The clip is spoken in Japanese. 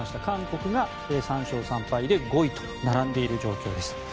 韓国が３勝３敗で５位と並んでいる状況です。